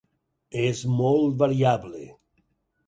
És molt variable.